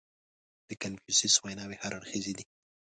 • د کنفوسیوس ویناوې هر اړخیزې دي.